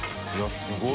すごい！